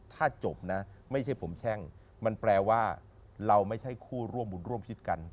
ถ้าจบนะไม่ใช่ผมแช่งมันแปลว่าเราไม่ใช่คู่ร่วมบุญร่วมชิดกัน